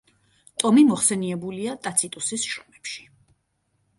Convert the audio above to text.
ტომი მოხსენებულია ტაციტუსის შრომებში.